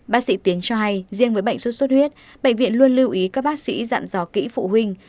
bác sĩ tiến cho hay riêng với bệnh sốt xuất huyết bệnh viện luôn lưu ý các bác sĩ dặn dò kỹ phụ huynh